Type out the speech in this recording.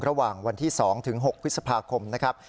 ระหว่างวันที่๒ถึง๖พฤษภาคมนะครับ